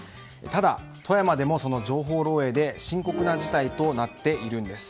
ただ、富山でもその情報漏洩で深刻な事態となっているんです。